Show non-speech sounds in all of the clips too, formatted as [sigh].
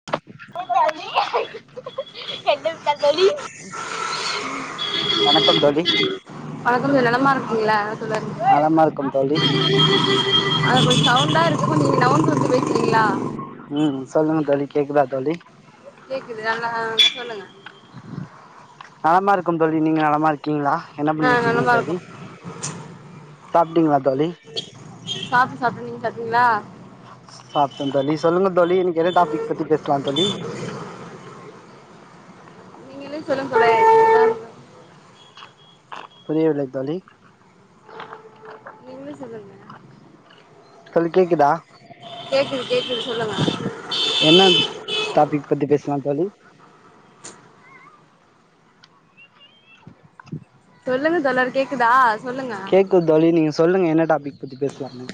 [inaudible] என்ன [unintelligible] தோழி வணக்கம் தோழி வணக்கம் [unintelligible] நலமா இருக்கீங்களா [inaudible] நலமா இருக்கும் தோழி அங்க கொஞ்சோ சவுண்டா இருக்கு கொஞ்சோ நீங்க நாவுந்து வந்து பேசரீங்களா ம் சொல்லுங்க தோழி கேக்குதா தோழி கேக்குது நல்லா சொல்லுங்க நலமா இருக்கம் தோழி நீங்க நலமா இருக் கிங்ளா என்ன ஆ பண்ணீட்ருக்கீங் நலமா தோழி இருக்கோம் சாப்ட்டீங்களா தோழி சாப்ட்ட சாப்ட்ட நீங்க சாப்டீங்களா சாப்ட்ட தோழி சொல்லுங்க தோழி இன்னிக்கு என்ன டாபிக் பத்தி பேசலா தோழி நீங்கலே சொல்லு [inaudible] புரியவில்லை தோழி நீங்களே சொல்லுங்க தோழி கேக்குதா கேக்குது கேக்குது சொல்லுங்க என்ன டாபிக் பத்தி பேசுலா தோழி சொல்லுங்க தோழர் கேக்குதா சொல்லுங்க து தோழி நீங்க சொல்லுங்க என்ன டாபிக் பத்தி பேசலானு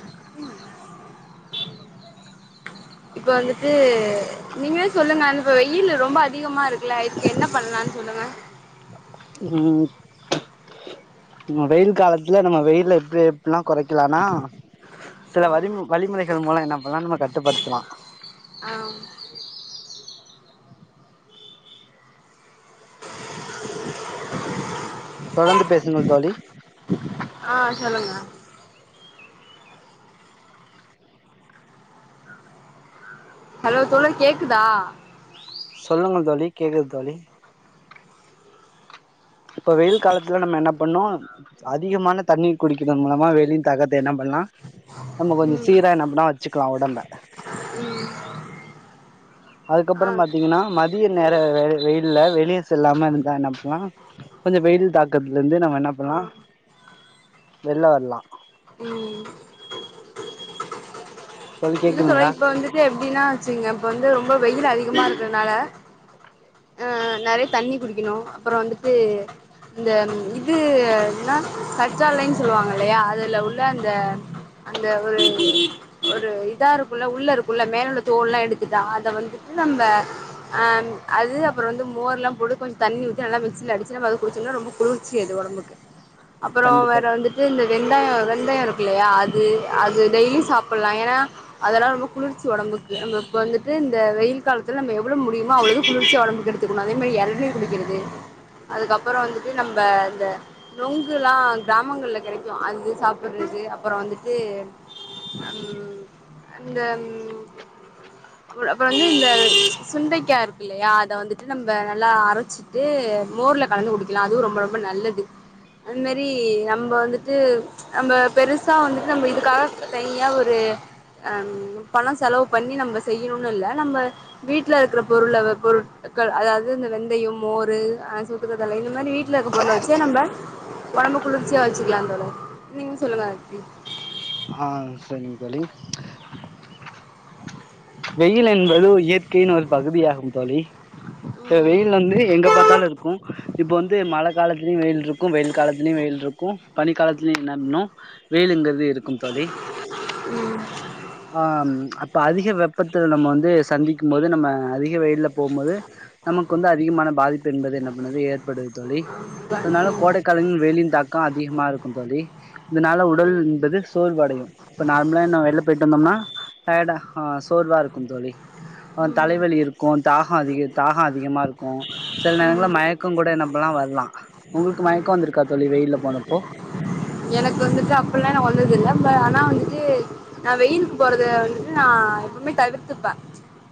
இப்ப வந்துட்டு நீங்களே சொல்லுங்க அ இப்ப வெயிலு ரொம்ப அதிகமா இருக் குல இதுக்கு என்ன பண்ணலானு சொல்லுங்க ம் வெயில் காலத்துல நம்ம வெயில எப்டி ல்லா கொறைக்கலானா சில வரி வழிமுறைகள் மூலோ என்ன பண்ணலா நம்ம கட்டுப்படுத்தலா ஆ தொடர்ந்து பேசுங்கள் தோழி ஆ சொல்லுங்க ஹலோ தோழன் கேக்குதா சொல்லுங்க தோழி கேக்குது தோழி இப்போ வெயில் காலத்துல நம்ம என்ன பண்ணு அதிகமான தண்ணீ குடிக்கதன் மூலமா வெளி தகர்த்து என்ன பண்லா நம்ம கொஞ்சோ ம் சீர ன்னம்னா வச்சுக்கலா உடம்ப [inaudible] அதுக்கப்றோ ஆ பாத்தீங்கனா மதிய நேர வெயில்ல வெளிய செல்லாம இருந்தா என்ன பண்லா கொஞ்சோ வெயில் தாக்கத்துல இருந்து நம்ம என்ன ஆ பண்லா வெள்ள வரலா ம் இல்ல தோழி இப்போ வந்துட்டு ல்ல ல்ல தொழி எப்டின்னா வச்சுங்க இப்ப வந்து ரொம்ப வெயில் அதிகமா இருக்கறனால ஆ நறயா தண்ணி குடிக்கணு அப்றோ வந்துட்டு இந்த இது என்னா கற்றாலைனு சொல்லுவாங்க இல்லயா அதுல உள்ள அந்த அந்த ஒரு ஒரு இதா இருக்குல்ல உள்ள இருக்குல்ல மேல உள்ள தோல் எல்லா எடுத்துட்டா அத வந்துட்டு நம்ம ஆ அது அப்றோ வந்து மோர்லா போடு கொஞ் தண்ணி ஊத்தி நல்லா மிக்சில அடிச்சு நம குடுச்சோனா ரொம்ப குளிர்ச்சி அது ஒடம்புக்கு அப்றோ கண்டிப்பா வேற வந்துட் டு இது வெந்தாயோ வெந்தயோ இருக்குல்லையா அது அது டெய்லி சாப்லா ஏன்னா அதெல்லா ரொம்ப குளிர்ச்சி ஒடம்புக்கு நம்ம இப்ப வந்துட்டு இந்த வெயில் காலத்துல நம்ம எவ்ளோ முடியுமோ அவ்ளு குளிர்ச்சி ஒடம்புக்கு எடுத்துக்கணு அதே மாரி எளநீர் குடிகறது அதுக்கப்றோ வந்துட்டு நம்ப இந்த நொங்குலா கிராமங்கள்ல கெடைக்கு அது சாப்ட்றது அப்பறோ வந்துட்டு அம் அந்தம் அப் அப்போ வந்து இந்த சுண்டைக்கார்க் கில்லயா அத வந்துட்டு நம்ப நல்லா அரச்சிட்டு மோர்ல கலந்து குடிக்கலா அதுவு ரொம்ப ரொம்ப நல்லது அதுமாரி நம்ப வந்துட்டு நம்ம பெருசா வந்துட்டு நம்ம இதுக்காக தனியா ஒரு அம் பணோ செலவு பண்ணி நம்ம செய்யணுனு இல்ல நம்ம வீட்ல இருக்கிற பொருள வ பொருட்கள் அதாது இந்த வெந்தயோ மோரு சுத்கடல இந்த மாரி வீட்ல இருக்க பொருள வச்சே நம்ம ஒடம்ப குளிர்ச்சியா வச்சிக்கலா அந்தளோ நீங்க சொல்லுங்க அட்டி ஆ செரிங் தோழி வெயில் என்பது ஒரு இயற்கையின் ஒரு பகுதியாகும் தோழி இப்ப வெயில் வந்து எங்க பாத் இர்ந்தாலு இருக்கு இப்ப வந்து மழ காலத்துலயு வெயில் இருக்கு வெயில் காலத்துலயு வெயில் இருக்கு பனி காலத்துலயு என்ன இன்னு வெயிலுங்கறது இருக்கும் தோழி ம் ஆம் அப்ப அதிக வெப்பத்துல நம்ம வந்து சந்திக்கு போது நம்ம அதிக வெயில போம்போது நமக்கு வந்து அதிகமான பாதிப்பு என்பது என்ன பண்ணுது ஏற்படுது தோழி அதனால ஆமா கோடைகாலங்ள் வெயிலின் தாக் கோ அதிகமா இருக்கு தோழி இதனால உடல் என்பது சோர்வடையு இப்ப நார்மலா நா வெள் ய போய்ட்டு வந்தோம்னா டயர்ட் ஆ சோர்வா இருக்கும் தோழி அ ம் ம் தலைவலி இருக்கு தாகோ அதிக தாகோ அதிகமா இருக்கு சில நேரங்கள மயக்கோ கூட என்னப்பண்லா வர்லா உங்ளுக்கு மயக்கோ வந்துருக்கா தோழி வெயில்ல போனப்போ எனக்கு வந்துட்டு அப்ல்லா எனக்கு வந்தது இல்ல ப ஆனா வந்துட்டு நா வெயிலுக்கு போறத வந்துட்டு நா எப்போமே தவிர்த்துப்ப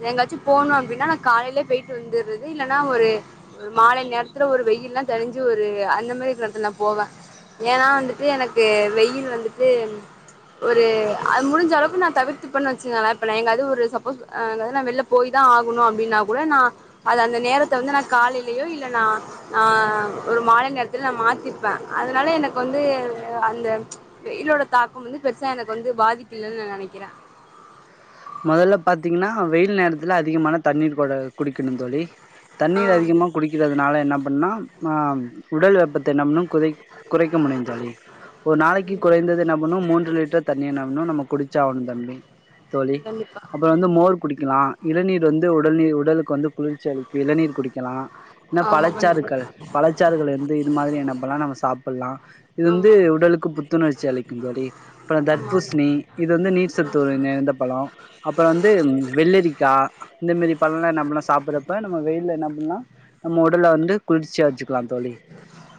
எங்கயாச்சு போணு அப்டின்னா காலலயே போயிட்டு வந்தற்றது இல்லன்னா ஒரு ஒரு மாலை நேரத்துல ஒரு வெயில்லா தணிஞ்சு ஒரு அந்த மாரி இரு நேரத்துலா நா போவ ஏன்னா வந்துட் டு எனக்கு வெயில் வந்துட்டு ஒரு அது முடிஞ்ச அளவுக்கு நா தவிர்த்துபேண் வச்சிகங்ளே இப்ப எங்காது ஒரு சப்போஸ் ஆ எங்காது நா வெள்லப் போய்தா ஆகுணு அப்டினா கூட நா அது அந்த நேரத்த வந்து நா காலைலியோ இல்ல நா ஆ ஒரு மாலை நேரத்துல நா மாத்திப்பே அதனால எனக்கு வந்து அந்த வெயிலோட தாக்கோ வந்து பெருசா எனக்கு வந்து பாதிக்கலன் நா நெனைக்கிறே மொதல்லப் பாத்தீங்கனா வெயில் நேரத்துல அதிகமான தண்ணீர் கொட குடிக்கிணுந் தோழி தண்ணீர் ஆ அதிகமா குடிக்கிறதனால என்னாப் பண்ணா மாம் உடல் வெப்பத் த நம்னும் குதைக் குறைக்க முடியுந் தோழி ஒரு நாளைக்கி ம் குறைந்தது என்னாப் பண்ணும் மூன்று லிட்டர் தண்ணிய என்னபனு நம்ம குடிச்சாவுணுந் தம்பி தோழி கண்டிப்பா அப்றோ வந்து ம் மோர் குடிக்கிலா இளநீர் வந்து உடல் நீர் உடலுக்கு வந்து குளிர்ச்சி அதுக்கு இளநீர் குடிக்கலா என்னாப் ஆமா கண்டிப்பா பழச்சாறுக்கள் பழச்சாறுகள் வந்து இது மாரி என்னா பண்லா நம்ம சாப்பல்லா இது வந்து ஆமா உடலுக்கு புத்துணர்ச்சி அளிக்குந் தோழி அப்றோ ஆமா ஆமா தர்பூச்ணி இது வந்து நீர்சத்து ஒரு நிறைந்த பழோ அப்றோ வந்து வெள்ளரிக்கா இந்த மேரிப் பழழோ என்னாப் பண்ண சாப்பறப்ப நம்ம வெயில்ல என்னாப் பண்லா நம்ம உடல வந்து குளிச்சியா வச்சுக்கலா தோழி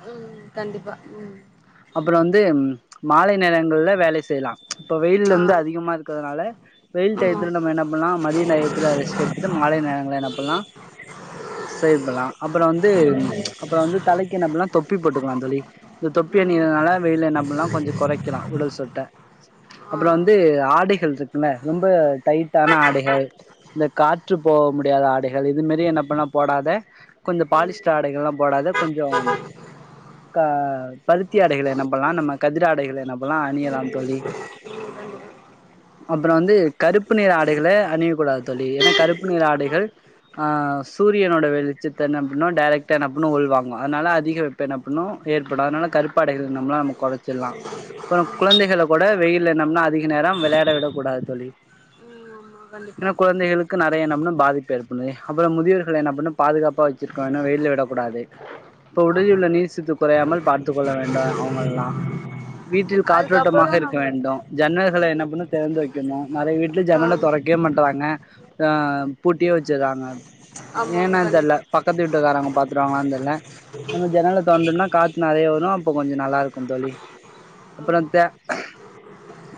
ம் கண்டிப்பா ம் அப்றோ வந்து மாலை நேரங்கள்ல வேலை செய்லா இப்ப வெயில் ஆ வந்து அதிகமா இருக்கறதனால வெயில் ஆமா டையத்துல நம்ம என்னாப் பல்லா மதிய நேரத்துல ரெஸ்ட் எடுத்துட்டு மாலை நேரங்கள்ல என்னாப் பண்லா சேப்பலா அப்றோ வந்து அப்றோ வந்து தலைக்கு என்னாப் பண்லா தொப்பி போட்டுக்லாந் தோழி இந்த ஆமா தொப்பி ஆமா அணியனால வெயில என்னாப் பண்லா கொஞ்சோ கொறைக்கலா உடல் சூட்ட ஆ அப்றோ வந்து ஆடைகள் ருக்குல்ல ரொம்ப டைட்டான ஆடைகள் இந்த காற்று போவ்முடியாத ஆடைகள் இது மேரி என்னப் பண்ண போடாத கொஞ்சம் ம் பாலிஸ்ட ஆடைகள்லாம் போடாத கொஞ்சம் கா பருத்தி ஆடைகள் என்னாப் பண்லா நம்ம கதிர ஆடைகள் என்னாப் பண்லா அணியலாந் தோழி [unintelligible] அப்றோ வந்து கருப்பு நிற ஆடைகள அணியக்கூடாது தோழி எனாக் கருப்பு நிற ஆடைகள் ஆ சூரியனோட வெளிச்சத்த என்னாப் பண்ணு டேரெக்டா என்னாப் பண்ணு உள்வாங்கு அதனால அதிக வெப் ப்ப என்னாப் பண்ணு ஏற்படு அதனால கருப்பாடைகள் நம்ளா நம்ம கொறச்சல்லா பறம் குழந்தைகள கூட வெயில்ல என்னாப்ன அதிக நேரம் விளையாட விடக் ஆத் தோழி ம் ஆமா எனா கண்டிப்பா குழ குழந்தைகளுக்கு நெறைய என்னாப் பண்ணு பாதிப்பு ஏற்பண்ணுதே அப்றம் முதியோர்கள என்னாப் பண்ணும் பாதுகாப்பா வெச்சிருக்கனு இன்னு வெயில்ல விடக்கூடாது இப்ப உடலில் ஆமா உள்ள நீர் சத்து குறையாமல் பார்த்துக் கொள்ள வேண்டு அவுங்கள்லா வீட்டில் அதுக்கப்புறோ காற்றோட்டமாக இருக்க நம்ம வேண்டு ஜன்னல்கள ம் என்னப் பண்ணு தெ றந்து வெக்கணு நெறைய வீட்ல ஜன்னல ஆமா தொறக்வே மாட்றாங்க அ பூட்டியே வெச்சர்றாங்க ஆமா ஆமா கண்டிப்பா தொண்ணா காத்து நெறைய வரு அப்போ கொஞ்ச நல்லாருக்குந் தோழி ஆமா அப்பறந் தே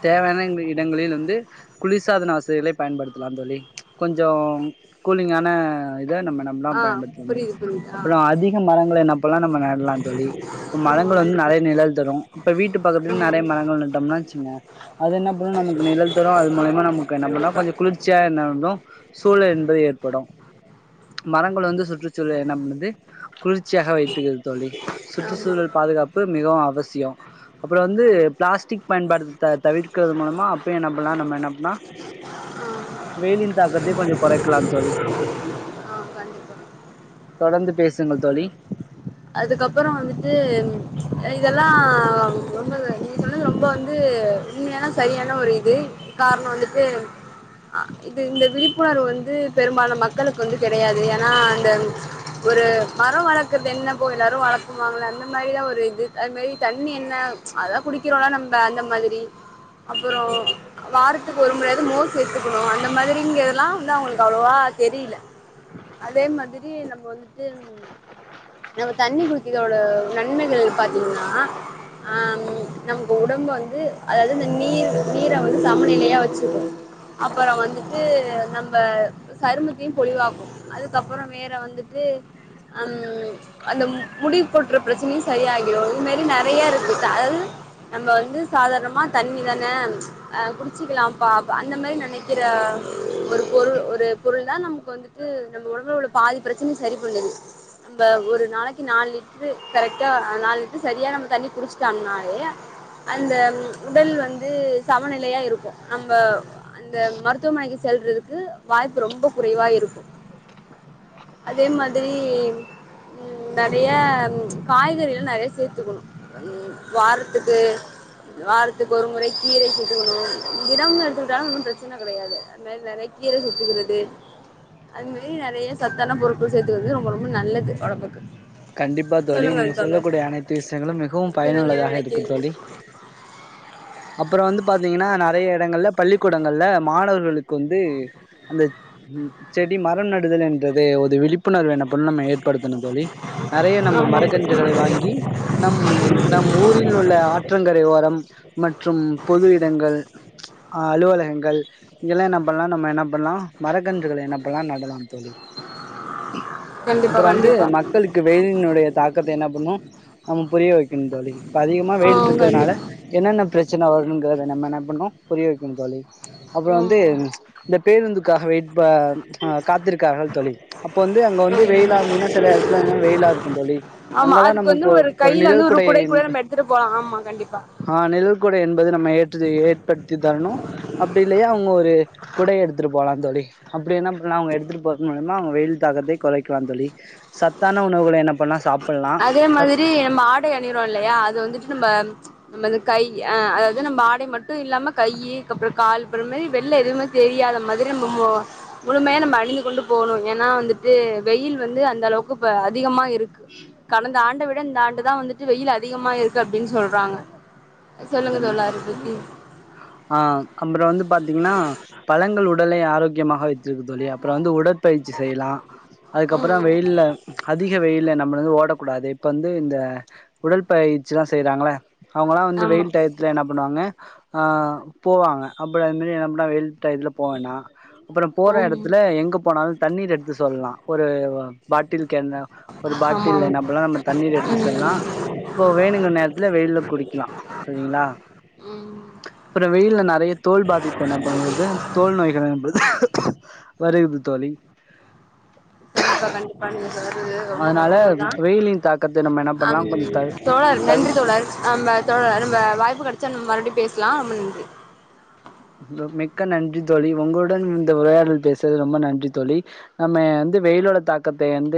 தேவையான இடங்களில் வந்து குளிர்சாதன வசதிகளைப் பயன்படுத்தலாந் தோழி கொஞ்சோம் கூலிங்கான இத நம்ம எனாப் ஆ ம்லாம் பயன்படுத்தலமே புரியுது புரியுது ஆ அப்றோ அதி க மரங்கள என்னாப் பண்லா நம்ம நடலாந் தோழி இப்ப ஆமா மரங்கள வந்து கண்டிப்பா நெறைய நிழல் தரு இப்ப வீட்டு பக்கத்ல ஆமா நெறைய மரங்கள் நட்டம்னா வெச்சுங்க அது என்னாப் பணு நமக்கு நிழல் தரு அது ஆமா மூலியமா ஆமா நமக்கு என்னாப் பண்லா கண்டிப்பா கொஞ்ச குளிர்ச்சியா என்னாப்ணு சூழல் என்பது ஏற்படு மரங்கள் வந்து சுற்றுச்சூழ என்னாப் பண்ணுது குளிர்ச்சியாக வைத்துகிறத் தோழி ஆமா சுற்றுச்சூழல் பாதுகாப்பு மிகவு அவசியோ அப்றோ வந்து ஆமா பிளாஸ்டிக் பயன்பாடுத்த தவிர்க் கறது மூலமா அப்பய என்ன பண்லா நம்ம என்ன பண்ணா ஆ வெயிலின் தாக்கத்தையு கொஞ்ச கொறைக்கலா தோழி ஆ கண்டிப்பா தொடர்ந்து பேசுங்கள் தோழி அதுக்கப்பறோ வந்துட்டு இதெல்லா ரொம்ப சொன்னது ரொம்ப வந்து உண்மையானா சரியான ஒரு இது காரண வந்துட்டு ஆ இது இந்த விழிப்புணர்வு வந்து பெரும்பாலு மக்களுக்கு வந்து கெடையாது ஏன்னா அந்த ஒரு மரோ வளக்கறது என்ன போ எல்லாரு வளப்புவாங்கள அந்த மாரிதா ஒரு இது அது மாரி தண்ணி என்ன அதெல்லா குடிக் கிறோல்ல நம்ப அந்த மாதிரி அப்பறோ வாரத்துக்கு ஒரு முறையாவது மோர் சேத்துக்கணு அந்த மாதிரிங்கிறதுல்லா வந்து அவங்களுக்கு அவ்ளோவா தெரியில அதே மாதிரி நம்ப வந்துட்டு நம்ம தண்ணி குடிக்கதோட நன்மைகள் பாத்தீங்கன்னா ஆம் நமக்கு உடம்ப வந்து அதாவது இந்த நீர் நீர வந்து சமநிலையா வெச்சுக்க அப்பறோ வந்துட்டு நம்ப சருமத்தையு பொளிவாக்கும் அதுக்கப்பறோ வேற வந்துட்டு அம் அந்த முடி கொட்ற பிரச்சனையு சரியாயிரு இது மாரி நெறைய இருக்கு அதாது நம்ம வந்து சாதாரணமா தண்ணி தான ஆ குடிச்சுக்கலாம்ப்பா அந்த மாரி நெனைக்கிற ஒரு பொருள் ஒரு பொருள்தா நமக்கு வந் து நம்ப ஒடம்பல உள்ள பாதி பிரச்சனய சரி பண்ணுது நம்ப ஒரு நாளைக்கு நாலு லிட்ரு கரெக்டா நாலு லிட்ரு சரியா நம்ம தண்ணி குடிச்சட்டாங்னாலே அந்த உடல் வந்து சமநிலையா இருக்கு நம்ப அந்த மருத்துவமனைக்கு செல்றதுக்கு வாய்ப்பு ரொம்ப குறைவா இருக்கு அதே மாதிரி ம் நெறைய காய்கறில்லா நெறைய சேத்துக்கணு ம் வாரத்துக்கு வாரத்துக்கு ஒரு முறை கீரை சேத்துக்கணு விடாம எடுத்துக்கிட்டாலு ஒன்னு பிரச்சன கெடையாது அது மாரி நெறைய கீரை சேத்துக்கிறது அது மாரி நெறைய சத்தான பொருட்கள் சேத்துகறது ரொம்ப ரொம்ப நல்லது ஒடம்புக்கு கண்டிப்பா தோழி நீங்க சொல்லக்கூடிய அனைத்து விஷயங்களு மிகவும் இதுக்கு நீங்க என்ன பயனுள்ளதாக இருக்கு நினைக்கிறீங்க தோழி [inaudible] அப்பறோ வந்து பாத்தீங்கன்னா நெறைய எடங்கள்ல பள்ளிக்கூடங்கள்ல மாணவர்களுக்கு வந்து அந்த ம் செடி மரம் நடுதல் என்றதே ஒரு விழிப்புணர்வு என்ன பண்ண நம்ம ஏற் படுத்தணு தோழி நெறைய நம்ம மரக்கன்றுகளை வாங்கி இ நம் நம் ஊரில் உள்ள ஆற்றங்கரை ஓரம் மற்றும் பொது இடங்கள் அலுவலகங்கள் இங்கெல்லா என்ன பண்லா நம்ம என்ன பண்லா மரக்கன்றுகளை என்ன பண்லா நடலா தோழி [inaudible] கண்டிப்பா அப்பற வந்து கண்டிப்பா மக்களுக்கு வெயிலினுடைய தாக்கத்தை என்ன பண்ணு நம்ம புரிய வெக்கணு தோழி இப்போ அதிகமா வெயில் ஆ இருக்கறனால கண்டிப்பா என்னென்ன பிரச்சன வரும்ங்கிறத நம்ம என்ன பண்ணோ புரிய வெக்கணு தோழி அப்பற ஆமா வந்து ஆமா இந்த பேருந்துக்காக வெயிட் பா ஆ காத்திருக்காங்க தோழி அப்ப வந்து அங்க வந்து ஆமா வெயிலா இருந்தீன்னா சில [unintelligible] வெயிலா இருக்கு தோழி ஆமா அங்கெல்லா அதுக்கு வந்து நமக்கு ஒரு கு கையில நிழல் வந்து ஒரு குடை கூட நம்ம எடுத்துட்டு போலா ஆமா கண்டிப்பா அ நிழல்குடை என்பது நம்ம ஏற்று ஏற்படுத்தி தரணு அப்டி இல்லையா அவங்க ஒரு குடை எடுத்துட்டு போலாந் தோழி அப்டி என்ன பண்ணலா அவுங்க எடுத்துட்டு போறது மூலியமா அவுங்க வெயில் தாக்கத்தை குறைக்கலா தோழி சத்தான உணவுகள என்ன பண்லா சாப்பில்லா இ நம்ம ஆடை அணியறோ இல்லையா அது வந்துட்டு நம்ம நம்ம இந்த கை அ அதாவது நம்ம ஆடை மட் ட்டு இல்லாம கையி கப்பறோ கால் போற மாரி வெள்ல எவுமே தெரியாத மாரி நம்ம மொ முழுமையா நம்ம அணிந்து கொண்டு போகணு ஏனா வந்துட்டு வெயில் வந்து அந்த அளவுக்கு இப்ப அதிகமா இருக்கு கடந்த ஆண்ட விட இந்த ஆண்டுதா வந்துட்டு வெயில் அதிகமா இருக்கு அப்டின் சொல்றாங்க சொல்லுங்க தோழா கண்டிப்பா தோழி அதபத்தி ஆ கம்பறோ வந்து பாத்தீங்கன்னா பழங்கள் உடலை ஆரோக்கியமாக வைத்திருக்கு தோழி அப்பறோ வந்து உடல் பயிற்சி செய்யலா அதுக்கப்பறோ ம் வெயில்ல அதிக வெயில்ல நம்மள வந்து ஓடக்கூடாது இப்ப வந்து இந்த உடல் பயிற்சில்லா செய்றாங்கல்ல அவுங்கல்லா வந்து ஆமா வெயில் ல என்ன பண்ணுவாங்க ஆ போவாங்க அப்டி அது மாரி என்ன பண்ண வெயில் டயத்துல போனா அப்பறோ போற ஆமா எடத்துல எங்க போனாலு தண்ணீர் எடுத்து சொல்லலா ஒரு பாட்டில் கேன்ல ஒரு ஆமா ஆமா பாட்டில்ல என்ன பண்ணலா நம்ம தண்ணீர் எடுத்து செல்லலா இப்போ வேணுங்க நேரத்துல வெயில்ல குடிக்கலா தீங்களா ம் ம் அப்பற வெயில்ல நெறைய தோல் பாதிப்பு என்ன பண்றது தோல் நோய்கள் என்பது வருகுது தோழி கண்டிப்பா கண்டிப்பா நீங்க அதாவது ரொம்ப க அதனால உண்மதா வெயிலின் தாக்கத்தை நம்ம என்ன அம் பண்ணலா கொஞ்ச தவி தோழர் தவி நன்றி தோழர் ஆ பா தோழர் நம்ப வாய்ப்பு கெடச்சா நம்ம மறுபடி பேசலா ரொம்ப நன்றி தோ மிக்க நன்றி தோழி உங்களுடன் இந்த உரையாடல் பேசுறது ரொம்ப நன்றி தோழி நம்ம வந்து வெயிலோட தாக்கத்த எந்து